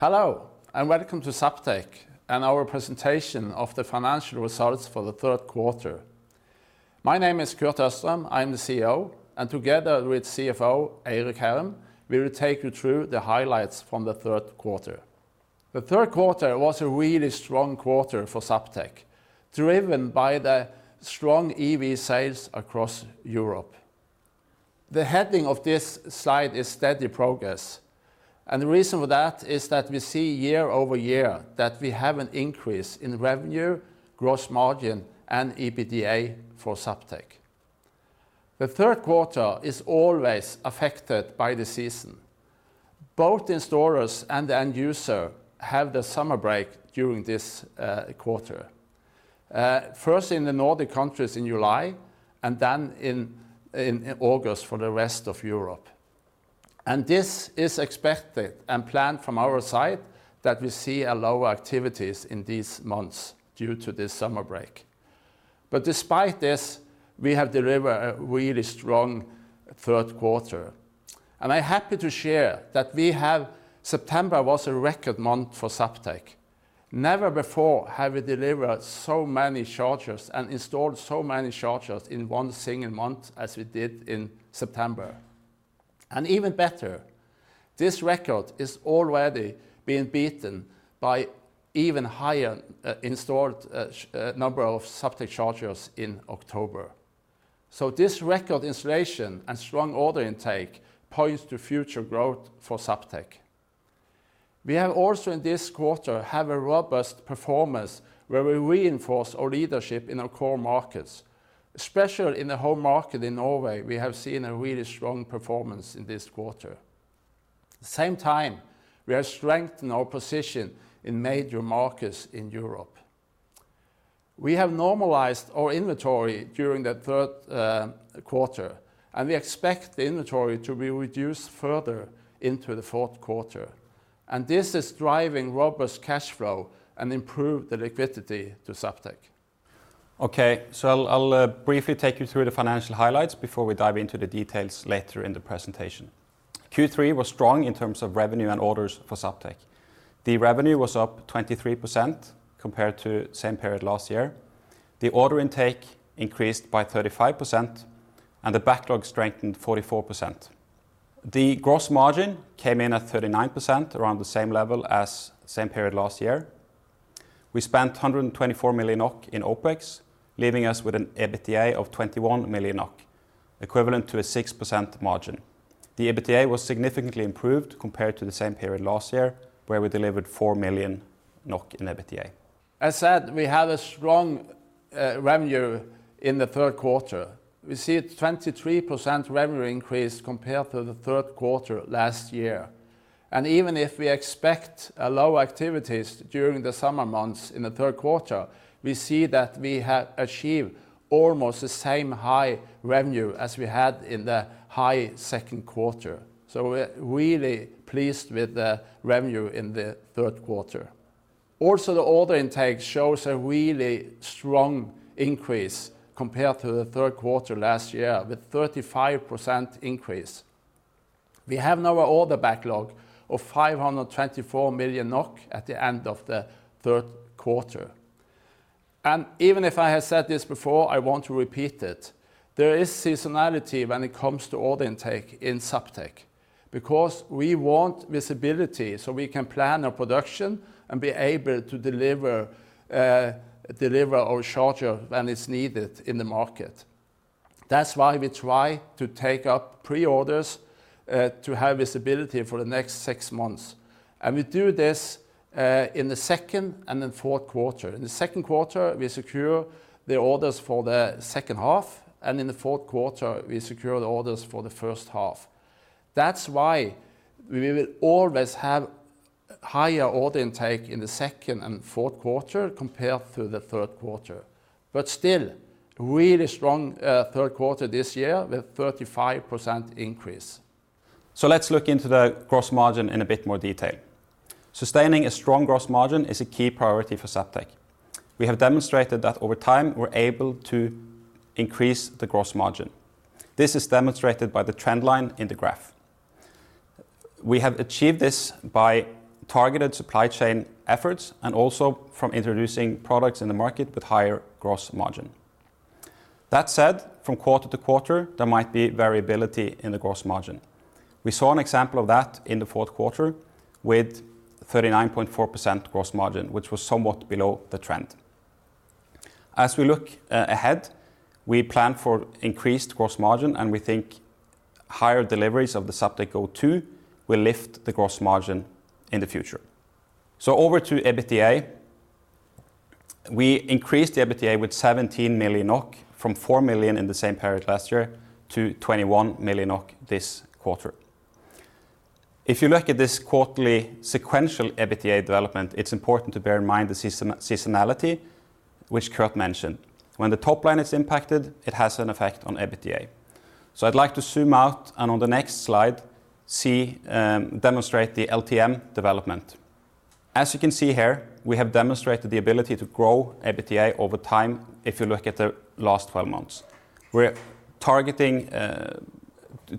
Hello, and welcome to Zaptec and our presentation of the financial results for the third quarter. My name is Kurt Østrem, I'm the CEO, and together with CFO Eirik Hærem, we will take you through the highlights from the third quarter. The third quarter was a really strong quarter for Zaptec, driven by the strong EV sales across Europe. The heading of this slide is "Steady Progress," and the reason for that is that we see year over year that we have an increase in revenue, gross margin, and EBITDA for Zaptec. The third quarter is always affected by the season. Both the installers and the end user have the summer break during this quarter, first in the Nordic countries in July and then in August for the rest of Europe. This is expected and planned from our side that we see lower activities in these months due to this summer break. But despite this, we have delivered a really strong third quarter. I'm happy to share that September was a record month for Zaptec. Never before have we delivered so many chargers and installed so many chargers in one single month as we did in September. Even better, this record is already being beaten by an even higher installed number of Zaptec chargers in October. This record installation and strong order intake points to future growth for Zaptec. We have also in this quarter had a robust performance where we reinforced our leadership in our core markets, especially in the home market in Norway. We have seen a really strong performance in this quarter. At the same time, we have strengthened our position in major markets in Europe. We have normalized our inventory during the third quarter, and we expect the inventory to be reduced further into the fourth quarter, and this is driving robust cash flow and improved liquidity to Zaptec. Okay, so I'll briefly take you through the financial highlights before we dive into the details later in the presentation. Q3 was strong in terms of revenue and orders for Zaptec. The revenue was up 23% compared to the same period last year. The order intake increased by 35%, and the backlog strengthened 44%. The gross margin came in at 39%, around the same level as the same period last year. We spent 124 million NOK in OPEX, leaving us with an EBITDA of 21 million NOK, equivalent to a 6% margin. The EBITDA was significantly improved compared to the same period last year, where we delivered 4 million NOK in EBITDA. As said, we had a strong revenue in the third quarter. We see a 23% revenue increase compared to the third quarter last year, and even if we expect lower activities during the summer months in the third quarter, we see that we have achieved almost the same high revenue as we had in the high second quarter, so we're really pleased with the revenue in the third quarter. Also, the order intake shows a really strong increase compared to the third quarter last year, with a 35% increase. We have now an order backlog of 524 million NOK at the end of the third quarter, and even if I have said this before, I want to repeat it. There is seasonality when it comes to order intake in Zaptec because we want visibility so we can plan our production and be able to deliver our charger when it's needed in the market. That's why we try to take up pre-orders to have visibility for the next six months, and we do this in the second and then fourth quarter. In the second quarter, we secure the orders for the second half, and in the fourth quarter, we secure the orders for the first half. That's why we will always have higher order intake in the second and fourth quarter compared to the third quarter, but still, a really strong third quarter this year with a 35% increase. Let's look into the gross margin in a bit more detail. Sustaining a strong gross margin is a key priority for Zaptec. We have demonstrated that over time we're able to increase the gross margin. This is demonstrated by the trend line in the graph. We have achieved this by targeted supply chain efforts and also from introducing products in the market with higher gross margin. That said, from quarter to quarter, there might be variability in the gross margin. We saw an example of that in the fourth quarter with 39.4% gross margin, which was somewhat below the trend. As we look ahead, we plan for increased gross margin, and we think higher deliveries of the Zaptec Go 2 will lift the gross margin in the future. Over to EBITDA. We increased the EBITDA with 17 million NOK from 4 million in the same period last year to 21 million NOK this quarter. If you look at this quarterly sequential EBITDA development, it's important to bear in mind the seasonality, which Kurt mentioned. When the top line is impacted, it has an effect on EBITDA. So I'd like to zoom out and on the next slide demonstrate the LTM development. As you can see here, we have demonstrated the ability to grow EBITDA over time if you look at the last 12 months. We're targeting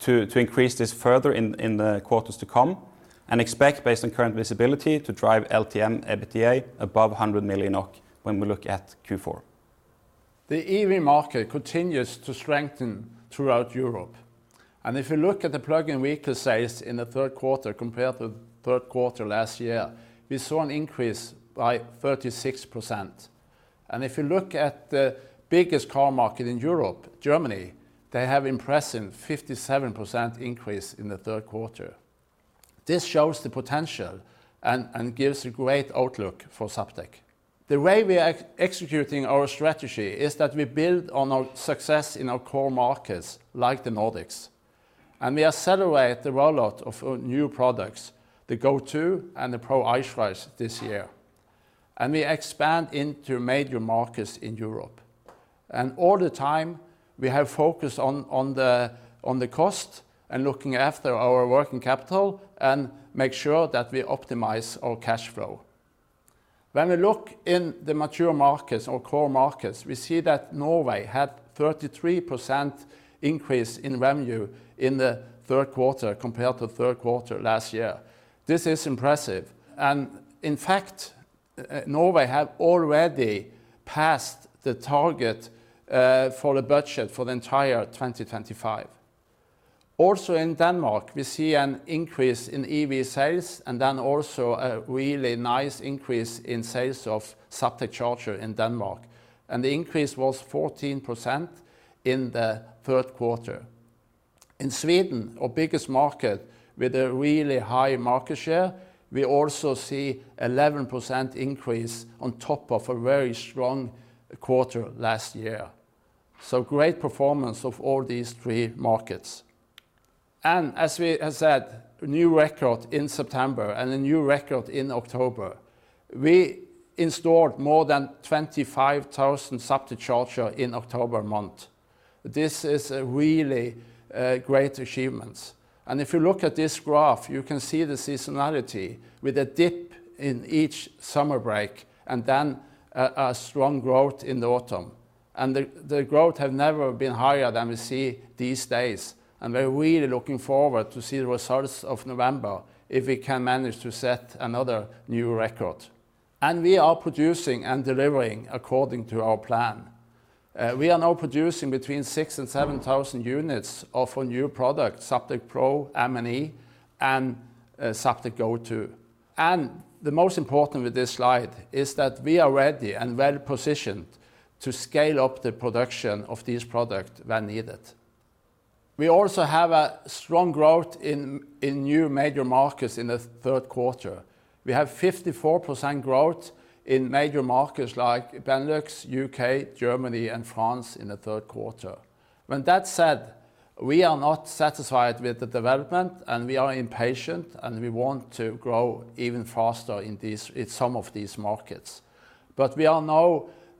to increase this further in the quarters to come and expect, based on current visibility, to drive LTM EBITDA above 100 million NOK when we look at Q4. The EV market continues to strengthen throughout Europe, and if you look at the plug-in vehicle sales in the third quarter compared to the third quarter last year, we saw an increase by 36%, and if you look at the biggest car market in Europe, Germany, they have an impressive 57% increase in the third quarter. This shows the potential and gives a great outlook for Zaptec. The way we are executing our strategy is that we build on our success in our core markets like the Nordics, and we accelerate the rollout of new products, the Go 2 and the Pro Eichrecht this year, and we expand into major markets in Europe, and all the time, we have focused on the cost and looking after our working capital and make sure that we optimize our cash flow. When we look in the mature markets, our core markets, we see that Norway had a 33% increase in revenue in the third quarter compared to the third quarter last year. This is impressive. And in fact, Norway has already passed the target for the budget for the entire 2025. Also, in Denmark, we see an increase in EV sales and then also a really nice increase in sales of Zaptec charger in Denmark. And the increase was 14% in the third quarter. In Sweden, our biggest market with a really high market share, we also see an 11% increase on top of a very strong quarter last year. So great performance of all these three markets. And as we have said, a new record in September and a new record in October. We installed more than 25,000 Zaptec charger in October month. This is a really great achievement. If you look at this graph, you can see the seasonality with a dip in each summer break and then a strong growth in the autumn. The growth has never been higher than we see these days. We're really looking forward to see the results of November if we can manage to set another new record. We are producing and delivering according to our plan. We are now producing between 6,000 and 7,000 units of our new product, Zaptec Pro MID and Zaptec Go 2. The most important with this slide is that we are ready and well positioned to scale up the production of these products when needed. We also have a strong growth in new major markets in the third quarter. We have 54% growth in major markets like Benelux, U.K., Germany, and France in the third quarter. When that's said, we are not satisfied with the development, and we are impatient, and we want to grow even faster in some of these markets.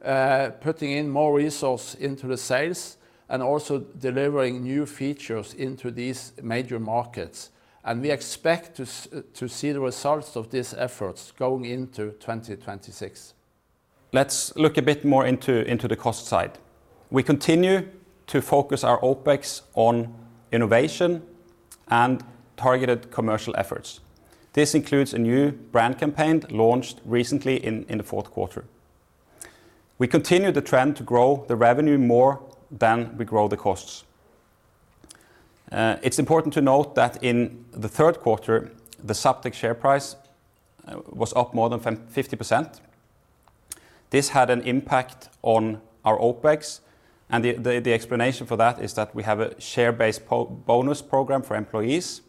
But we are now putting in more resources into the sales and also delivering new features into these major markets. And we expect to see the results of these efforts going into 2026. Let's look a bit more into the cost side. We continue to focus our OPEX on innovation and targeted commercial efforts. This includes a new brand campaign launched recently in the fourth quarter. We continue the trend to grow the revenue more than we grow the costs. It's important to note that in the third quarter, the Zaptec share price was up more than 50%. This had an impact on our OPEX, and the explanation for that is that we have a share-based bonus program for employees,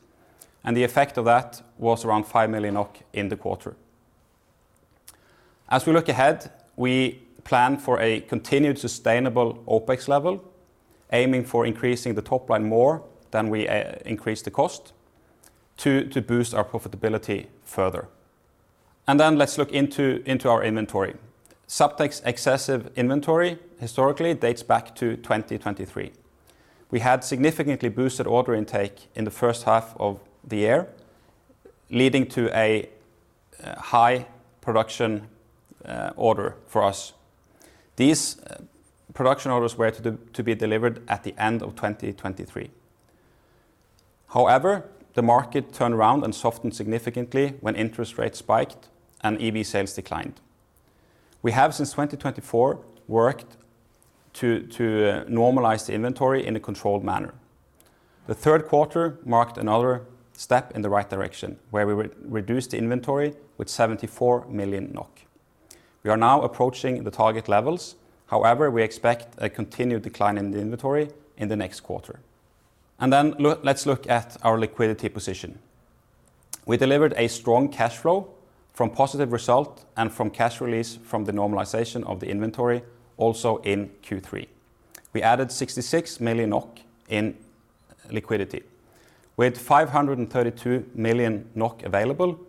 and the effect of that was around 5 million NOK in the quarter. As we look ahead, we plan for a continued sustainable OPEX level, aiming for increasing the top line more than we increase the cost to boost our profitability further. Then let's look into our inventory. Zaptec's excessive inventory historically dates back to 2023. We had significantly boosted order intake in the first half of the year, leading to a high production order for us. These production orders were to be delivered at the end of 2023. However, the market turned around and softened significantly when interest rates spiked and EV sales declined. We have since 2024 worked to normalize the inventory in a controlled manner. The third quarter marked another step in the right direction, where we reduced the inventory with 74 million NOK. We are now approaching the target levels. However, we expect a continued decline in the inventory in the next quarter. And then let's look at our liquidity position. We delivered a strong cash flow from positive result and from cash release from the normalization of the inventory also in Q3. We added 66 million NOK in liquidity. With 532 million NOK available,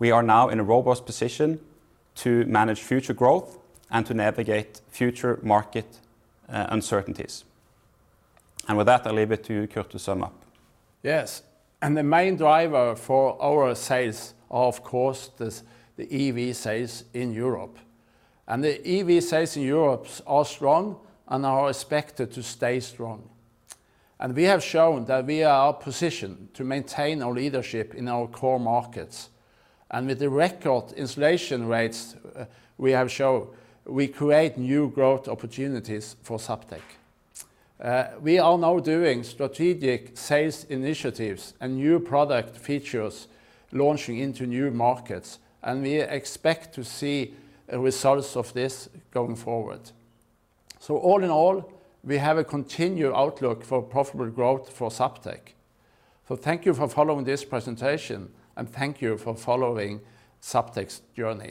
we are now in a robust position to manage future growth and to navigate future market uncertainties. And with that, I'll leave it to you, Kurt, to sum up. Yes. And the main driver for our sales are, of course, the EV sales in Europe. And the EV sales in Europe are strong and are expected to stay strong. And we have shown that we are positioned to maintain our leadership in our core markets. And with the record installation rates we have shown, we create new growth opportunities for Zaptec. We are now doing strategic sales initiatives and new product features launching into new markets, and we expect to see results of this going forward. So all in all, we have a continued outlook for profitable growth for Zaptec. So thank you for following this presentation, and thank you for following Zaptec's journey.